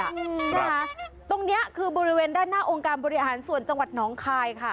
อืมนะคะตรงเนี้ยคือบริเวณด้านหน้าองค์การบริหารส่วนจังหวัดน้องคายค่ะ